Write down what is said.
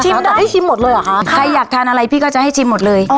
ให้ชิมหมดเลยเหรอคะใครอยากทานอะไรพี่ก็จะให้ชิมหมดเลย